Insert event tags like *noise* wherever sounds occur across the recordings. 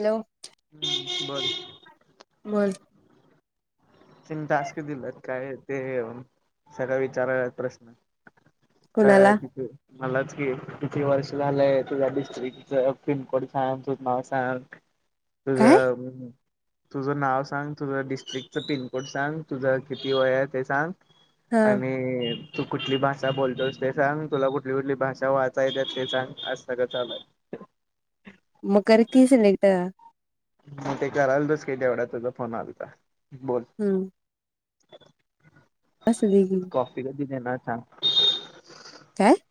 Hello! हम्म बरं. बोल. तीन टास्क दिल्यात काय ते सगळं विचारायल्यात प्रश्न. काय आहे कुणाला किती. मलाच की किती वर्ष झालंय तुझ्या डिस्ट्रिकच पिनकोड संग तुझं नाव सांग. हा तुझं, तुझं नाव सांग तुझं डिस्ट्रिकचं पिं पिनकोड सांग, तुझ किती वय आहे ते सांग हा आणि तू कुठली भाषा बोलतोस ते सांग, तुला कुठली कुठली भाषा वाचायला येते ते सांग, असं सगळा चालू आहे. मग करकी सिलेक्ट त्यांना मग ते करायलाचस का तेवढा तुझ फोन आलाता, बोल हम्म हं *inaudible* असंली. कॉफी कधी देणार सांग. काय *unintelligible*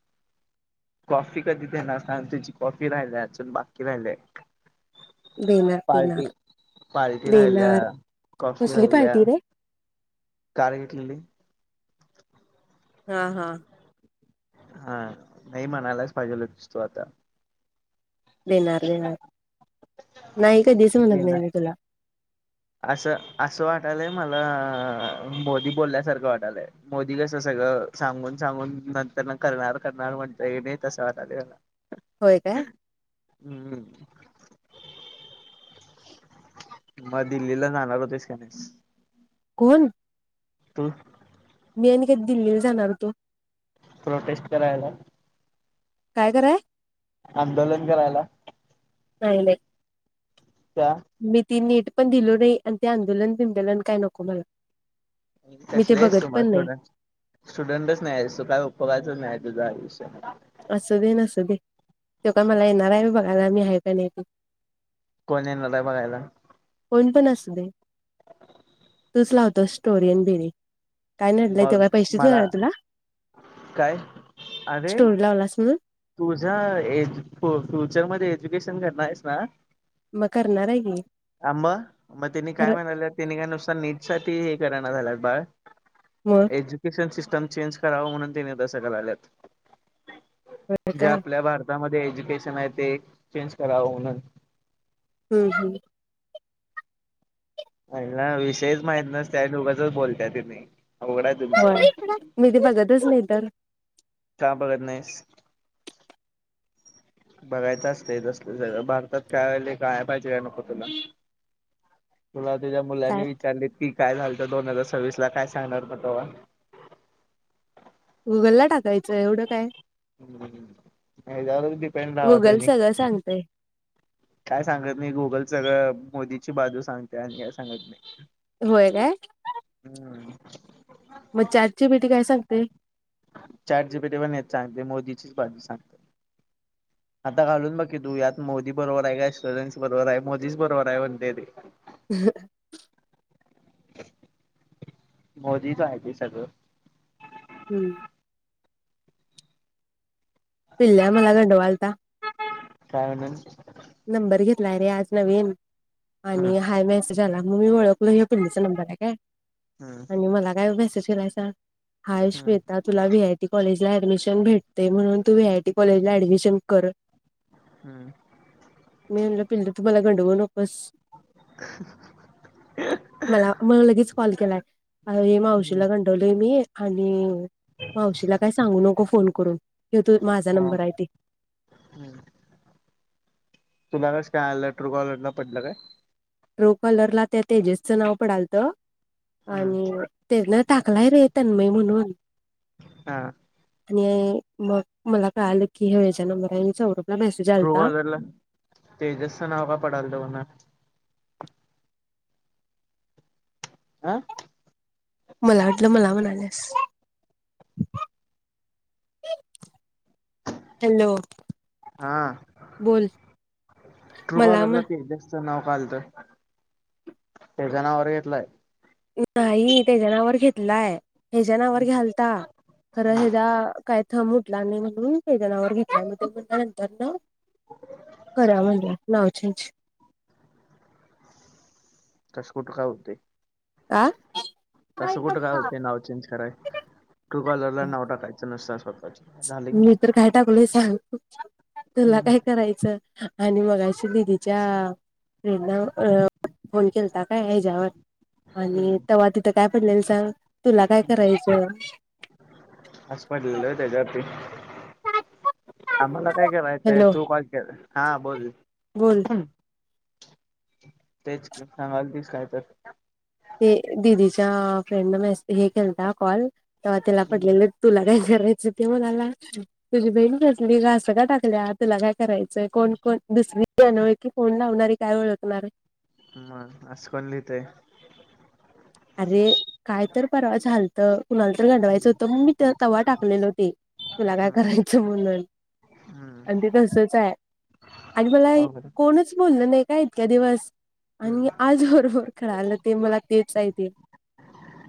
कॉफी कधी देणार सांग. तुझी कॉफी राहिली आहे अजून बाकी राहिलाय. देणार देणार. पार्टी राहिलीय, देणार कॉफ़ी कसली राहिल्या, पार्टी रे कार घेतलेली हा हा हा नाही म्हणायलाच पाहिजेलस तू आता. देणार, देणार नाही कधीच म्हणणार दे ना नाही मी तुला. असं, असं वाटालंय मला मोदी बोलल्यासारखं वाटालंय. मोदी कसं सगळं सांगून सांगून नंतर ना करणार करणार म्हणता ये नाही तसं वाटलं मला. होय काय. हम्मम मग दिल्लीला जाणार होतेस का नाहीस? कोण? तू? मी आणि कधी दिल्लीला जाणार होतो. प्रोटेस्ट करायला. काय कराय? आंदोलन करायला. नाही नाही. का? मी ती नीट पण दिलो नाही. आणि ते आंदोलन बिंदोलन काय नको मला. मी ते कसलेस बघत आहे मग तू पण नाही स्टुडन्ट. स्टुडंटच नाही काय सो काय उपोगायचं नाही तुझ आयुष्य. असू दे नसू दे. तेव काय मला येणार आम्ही बघायला मी आहे का नाही. कोण येणार आहे बघायला. कोण पण असू दे. तुच लावतो स्टोरीय आणि बिरी काय नडलंय तो मग काय पैसे देणार मला हाय तुला. काय अरे. टोर् लावलास म्हणून तुझ्या एज फ् फ्युचरमध्ये एज्युकेशन करणाररेस ना. म करणाराय की. आ म म त्यांनी काय खरं म्हणाले तेने का नुस्ता नीट साठी हे कराना झालंत बाळ मग एज्युकेशन सिस्टम चेंज करावं म्हणून त्यांनी तसं कराल्यात. जे काय आपल्या भारतामध्ये एज्युकेशन आहे ते एक चेंज करावं म्हणून. हम्म हम्म अईला विषयंच माईत नसते आणि उगाचंच बोलताय तुम्ही अवघडा् व्हय मी ते बघतच नई तर. का बघत नाईस? बघायचं असतय तसलं सगळं, भारतात काय व्हायचंय कळाय पायजे का नको तुला. तुला तुझ्या काय मुलांनी विचारलेत की काय झाल्तं दोन हजार सव्वीसला काय सांगणार म तवा. गुगलला टाकायचं एवढं काय. याच्यावरच डिपेंड रावा तुम्ही. का सांगतंय. काय सांगत नाई गुगल सगळं मोदीची बाजू सांगते आणि काय सांगत नाई. व्हय काय. *unintelligible* मग चॅट जी. पी. टी काय सांगतंय. Chat G. पी. टी पण हेच सांगते मोदीचीच बाजू सांगतं. आता घालून बघ‌ कि तू यात मोदी बरोबराय का स्टुडटस बरोबराय मोदीच बरोबराय म्हणते ते. *unintelligible* मोदीच आहे ते सगळं. हम्म. पिल्ल्या मला गंडवालता. काय म्हणून. नंबर घेतलाय रे आज नवीन हम्म आणि हाय मेस् -ज आला मंग मी ओळखलो ह पिल्लुचं नंबराय काय हम्म आणि मला काय मेसेज केलायसा हाय हम्म श्वेता तुला व्ही. आय. टी. कॉलेजला ऍडमिशन भेटतंय म्हणून तू व्ही. आय. टी. कॉलेजला ऍडमिशन कर. हम्म. मी म्हणलं पिल्लू तू मला गंडवू नक् बस मला, मला लगेच कॉल केलाय. अ हे हम्म माऊशीला गंडवलंय मी आणि मावशीला काय सांगू नको फोन करून हे तू माझा नंबराय ते. हम्म. तुला कसं काय आलं ट्रू कॉलर ला पडलं काय? ट्रू कॉलरला त्या तेजसचं नाव पडाल्तं. हम्म आणि तेनं टाकलाय रे तन्मय म्हणून हा. आणि मग मला कळालं की ह्यो ह्याचा नंबर हाय *unintelligible* ट्रुकॉलरला तेजसचा नाव का पडालतं म्हण? आ. मला वाटलं मला म्हणाल्यास. *inaudible* हॅलो, हा बोल मला म्ह त्यांच नाव का आलतं, त्यांच्या नावावर घेतलाय. ये नाही, त्याच्या नावावर घेतलाय, ह्याचा नावावर हम्म घ्यालता, खरं ह्याचा काय थांब उठला नाही म्हणून, त्याच्या नावावर घेतला, मग तो म्हणला नंतर न करा म्हणला नाव चेंज. कसं कुठ काय होतंय? आ. तसं कुठं काय होते नाव चेंज कराय, ट्रु कॉलरला नाव टाकायचं नसतं स्वतःच. झालं की मी मग तर काय टाकलय सांगु, तुला हम्म काय करायचं? आणि मगाशी दिदीच्या फ्रेंड ना अ फोन केलता. आता काय ह्याच्यावर आणि हम्म तेव्हा तिथं काय पडलेल सांग, तुला काय करायचंय. असं पडलेलं त्याच्यावरती. आम्हाला काय करायचंय, हॅलो तू कॉल कर हा बोल. बोल. तेच की, सांगालतीस काय तर. ते दिदीच्या फ्रेंड न मेस हे केलता कॉल, तेव्हा तिला पडलेलेत. तुला काय करायचंय ते म्हणाला. तुझी बहीण कसली, असं का टाकल्या, तुला काय करायचंय, कोण कोण, दुसरी मी अनोळखी फोन लावणारी काय ओळखणार. मग असं कोण लिहतंय? अरे काय तर परवा झालतं? कुणाला तर गंडवायचं होतं, मग मी त तवा टाकलेलं ते, तुला काय हम्म करायचं म्हणून. हम्म अगदी तसच हाय आणि मला हे अवघड आहे. कोणच बोललं नाही का इतक्या दिवस हम्म आणि आज बरोबर कळालं ते मला तेच आहेत.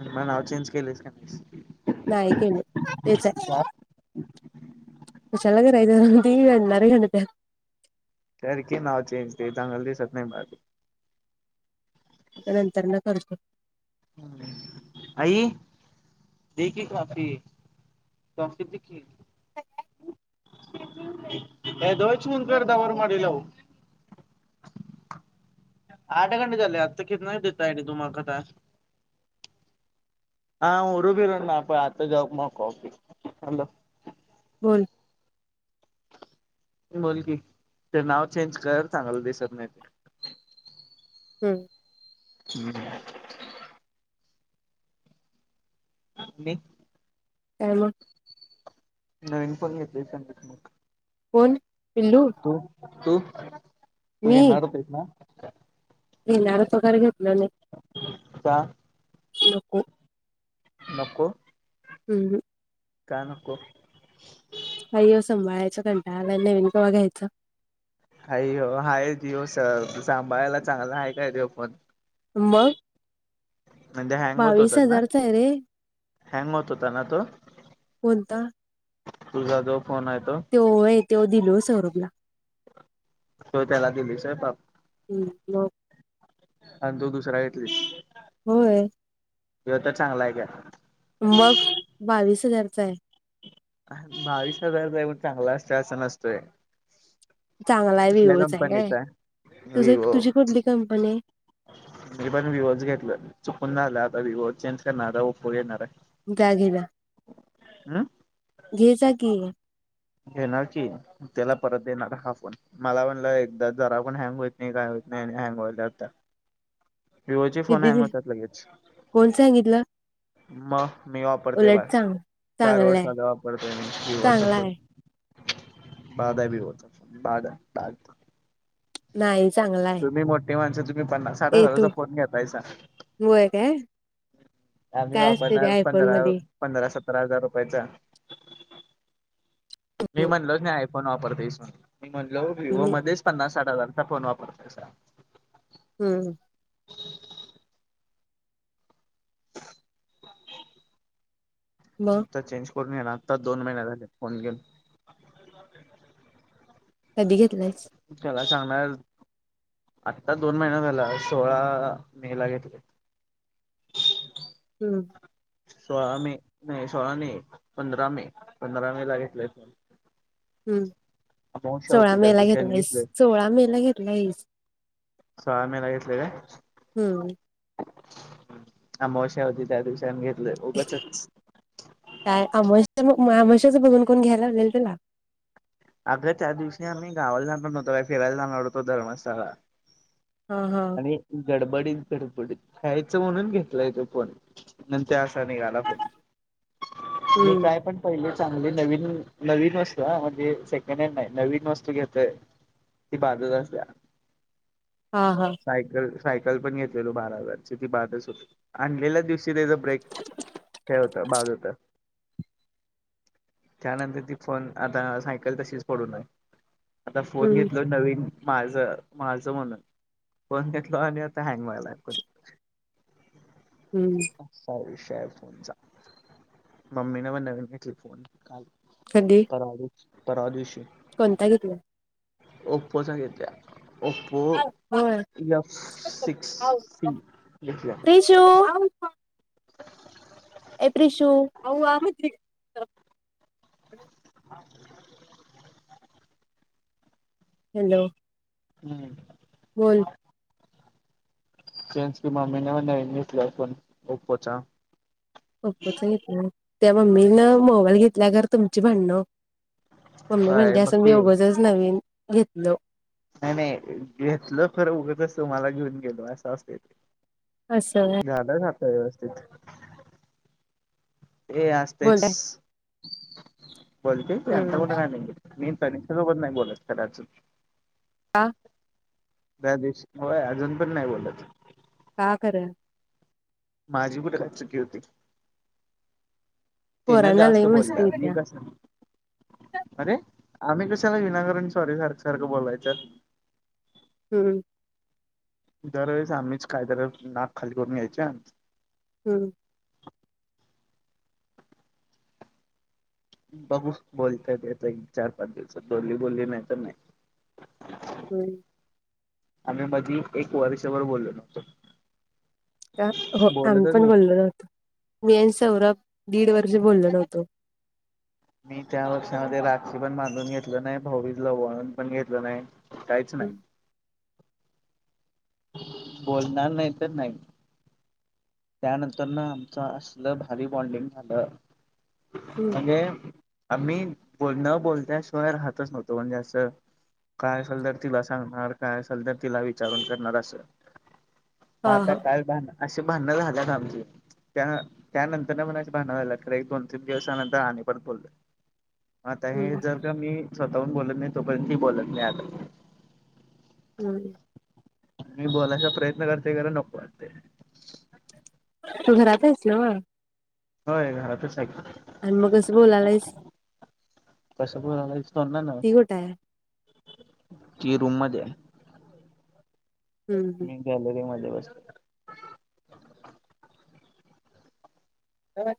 मग नाव चेंज केलेयस काय नाहीस. नाही केलं, तेच हाय. कशाला करायचं ते ही *inaudible* कर की नाव चेंज, ते चांगलं दिसत नाही बघ. नंतर ना, करते. आई. दे की कॉफी, *unintelligible* दे की. *inaudible* काय तेव्हाच फोन करता बरं, मधी लावू. आठ घंटे झालेत. तिकीट नाही देतायेत तुम्हाक आता. हा ओरडू बिरडू नको आता *inaudible* मग कॉफी. बोल. बोल की, ते नाव चेंज कर, चांगलं दिसत नाही ते. हम्म. *inaudible* *inaudible* काय मग. नवीन फोन घेतलयसा? कोण पिल्लू? तू तू तू मी घेणार होतीस ना? घेणार होतो काय घेतलं नई का? नको. नको. *unintelligible* का नको. आय्य सांभाळायचं कंटाळाला नवीन केव्हा घ्यायचं. हाई हो हाय जिओ सर सांभाळायला चांगला आहे काय देओ फोन म म्हणजे हँग होत होतात ना हजारचा आहे रे हँग होत होता ना तो. कोणता? तुझा जो फोन आहे तो. तोय होय तोय दिले सौरभला. तो त्याला दिलीस होय. *inaudible* पण तो दुसरा घेतली. होय. हे तर चांगला आहे का. मग बावीस हजारचा आहे. बावीस हजारच आहे, म्हणजे चांगला असतोय, असं नसतोय. चांगला आहे कुठल्या विवोचा आहे काय कंपनीचा हाय तुझ विवो. तुझी कुठली कंपनी? मी पण विवोज घेतलाय चुकून झालं आता विवो चेंज करणारे ओपो घेणारे. *unintelligible* हं. घे जा की. घेणार की त्याला परत देणार हा फोन. मला म्हणलं एकदा जरा पण हँग होत नाही काय होत नाही हँग होला आता. विवो चे फोन हँग किती होतात लगेच. कोण सांगितलं मग मी वापरतोय उलट बरं. चांग चार वर्ष चांगला आहे झालं वापरतोय मी विवो चा चांगला फोन. आहे बाद हाय विवो चा फोन बाद. नाही चांगला आहे. तुम्ही मोठी माणसं, तुम्ही पन्नास साठ हजारचा फोन घेतायसा. वय काय? आम्ही काय असते त्या वापरणार आयफोन पंधरा. मध्ये पंधरा सतरा हजार रुपयाचा मी म्हणलोच नाही. फोन वापरतेस मी म्हणलो वि्हवो मध्येच पन्नास साठ हजारचा फोन वापरते सा हम्. मग आता चेंज करून ये ना आता दोन महिने झाले फोन घेऊन. *inaudible* कधी घेतलास? *unintelligible* आत्ता दोन महिना झाला, सोळा मे ला घेतलय. हम्म. सोळा मे नाही सोळा मे पंधरा मे पंधरा मे लागितलंय. हुम सो्आ होती त्या मेला दिवशीने घेतला एस घेतले सो्आ मेला घेतला ऐस. सो्आ मेला घेतलंय काय. हुम. अमावश्या होती त्या दिवशी आम्ही घेतलं उगाचच. नाय अमोशा बघ अमोशाच बघून कोण घ्यायला लागले तुला अगं त्या दिवशी आम्ही गावाला जाणार नव्हतो काय फिरायला जाणार होतो धर्मशाळा. हा हा आणि गडबडीत गडबडीत खेळायचं म्हणून घेतलाय तो फोन न ते असा निघाला फोन जे हम्म काय पण पहिली चांगली नवीन नवीन वस्तू ह म्हणजे सेकंड हॅन्ड नाय नवीन वस्तू घेतोय ती बादच असत्या हा हा सायकल सायकल पण घेतलेलो बारा हजाराची ती बादच होती आणलेल्या दिवशी ती त्याचं ब्रेक हे होतं बाद होतं त्यानंतर ती पण आता सायकल तशीच पडू हाय. आत्ता फोन हम्म घेतलो नवीन माझं माझं म्हणून फोन घेतला आता हँग व्हालाय परत हम्म असा विषय आहे फोनचा मम्मीने पण नवीन घेतली फोन काल. कधी परवा दिवशी कोणता घेतली ओप्पोचा घेतल्या ओप ओप्पो होय एफ सिक्स सी घेतल्या टू आमफा ए त्रिशू अव्वा *inaudible* *unintelligible* हॅलो हम्म बोल तेच की मम्मी न पण नवीन घेतल्या फोन ओपोचा ओपोचा घेतल्या होय त्या मम्मीने मोबाईल घेतला खरं तुमची भांडणं मम्मी होय म्हटली बघ असेल मी की. उगाचच नवीन घेतलो नाय नाय घेतलं तर उगच तुम्हाला घेऊन गेलो असं असतंय ते असं व्हय झालं का आता व्यवस्थित हे असतेच बोलताय बोलतोय की आमचं हम्म कुठं काय *unintelligible* मी तनिष्का सोबत नाय बोलत कदाचित का त्या दिवशी वय अजून पण नाय बोलत का खरं माझी कुठे काय चुकी होती तीन पोरांना लई जास्त मस्ती बोलल्या मी येत्या कसं अरे आम्ही कशाला विनाकारण सॉरी सारखं सारखं बोलायचं हम्म दर वेळेस आम्हीच काय तर नाक खाली करून घ्यायचा हम्म बघू बोलत्या ती आता चार पाच दिवसात बोली बोली नाहीतर नाही होय आम्ही मधी एक वर्षभर बोललो नव्हतो हो आम्ही पण बोललो नव्हतो मी आणि सौरभ दीड वर्ष बोललो नव्हतो. मी त्या वर्षांमध्ये राखी पण बांधून घेतली नाय भाऊबीजला ओवाळून पण घेतलं नाय. कायचं नाय. बोलणार नाय तर नाय. त्यानंतर ना आमचं असलं भारी बॉण्डिंग झालं हम्म म्हणजे आम्ही न बोलता राहतच नव्हतो म्हणजे असं काय आसल तर तिला सांगणार काय आसल तर तिला विचारून करणार असं. हा मग हा काल अशी भांडण झाल्यात आमची. पण त्यानंतर न भांडणं झाली की दोन-तीन दिवसांनी बोलतात. आता हे हम्म जर का मी स्वतःहून बोलत नाही तोपर्यंत ती बोलत नाय आता. हम्म. मी बोलायचा प्रयत्न करतोय खरं नको वाटतंय. तू घरात असल. *unintelligible* होय घरातच हाय की. आणि मग कसं बोलायलायस. कशा पलाचोणार ना. ती कुठं आहे? *unintelligible* ती रूम मध्ये हाय. हम्म गॅलरीमध्ये बसलोय. ह.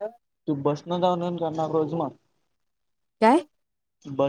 ह. तू बसणं येऊन जाऊन करणार रोज मं काय?